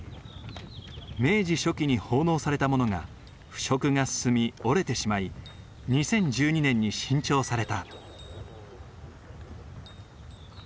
明治初期に奉納されたものが腐食が進み折れてしまい２０１２年に新調された。